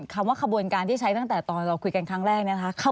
คำว่าขบวนการที่ใช้ตั้งแต่ตอนเราคุยกันครั้งแรกเนี่ยนะคะ